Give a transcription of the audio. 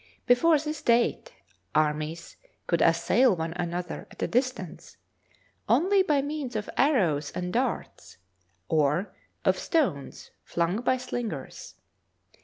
Before this date armies could assail one another at a distance only by means of arrows and darts, or of stones flung by slingers.